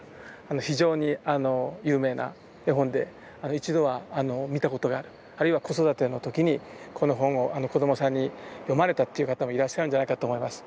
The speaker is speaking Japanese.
非常に有名な絵本で一度は見たことがあるあるいは子育ての時にこの本を子どもさんに読まれたっていう方もいらっしゃるんじゃないかと思います。